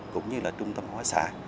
cũng như là trung tâm hóa xã